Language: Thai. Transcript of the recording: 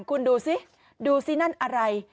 คุณดูสิดูสินั่นอะไร